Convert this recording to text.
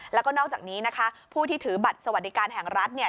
แล้วก็นอกจากนี้นะคะผู้ที่ถือบัตรสวัสดิการแห่งรัฐเนี่ย